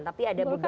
tapi ada beberapa